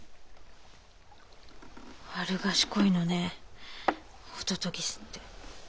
悪賢いのねホトトギスって。